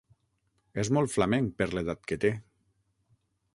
És molt flamenc per l'edat que té.